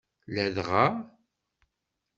Ladɣa.